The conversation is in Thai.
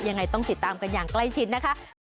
ยังไงต้องติดตามยังใกล้ชินนะคะ